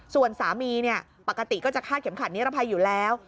ส่วนสามีปกติก็จะคาดเข็มขัดนิรภัยอยู่แล้ว